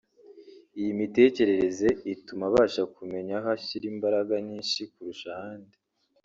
Iyi mitekerereze ituma abasha kumenya aho ashyira imbaraga nyinshi kurusha ahandi